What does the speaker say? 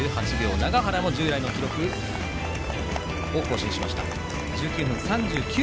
永原も従来の記録を更新しました。